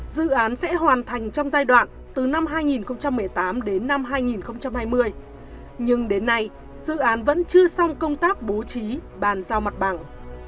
dự án sẽ hoàn thành trong giai đoạn từ năm hai nghìn một mươi tám đến năm hai nghìn hai mươi nhưng đến nay dự án vẫn chưa xong công tác bố trí bàn giao mặt bằng